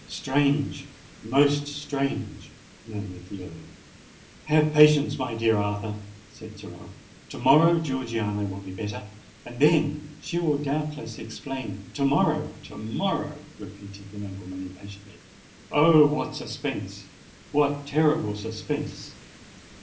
"Strange!—most strange!" murmured the Earl. "Have patience, my dear Arthur," said Sir Ralph. "To morrow Georgiana will be better; and then she will doubtless explain——" "To morrow—to morrow!" repeated the nobleman impatiently. "Oh! what suspense—what terrible suspense!